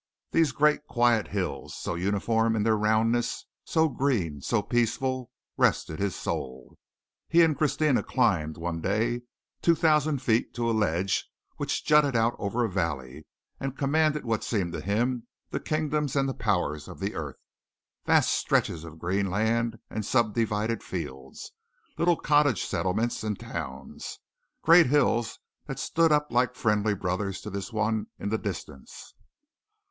These great quiet hills, so uniform in their roundness, so green, so peaceful, rested his soul. He and Christina climbed, one day, two thousand feet to a ledge which jutted out over a valley and commanded what seemed to him the kingdoms and the powers of the earth vast stretches of green land and subdivided fields, little cottage settlements and towns, great hills that stood up like friendly brothers to this one in the distance.